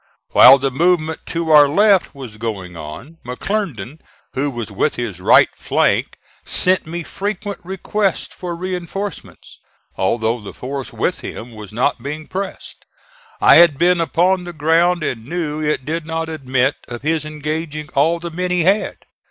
While the movement to our left was going on, McClernand, who was with his right flank, sent me frequent requests for reinforcements, although the force with him was not being pressed. I had been upon the ground and knew it did not admit of his engaging all the men he had.